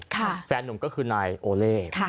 แฟนนุ่มก็คือนายโอเล่